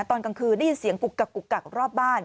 ตอนกลางคืนได้ยินเสียงกุกกักกุกกักรอบบ้าน